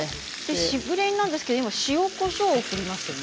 しぐれ煮なんですが今、塩、こしょうを振りましたね。